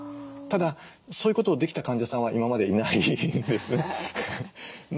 ただそういうことをできた患者さんは今までいないんです。